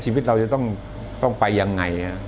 ชีวิตเราจะต้องไปยังไง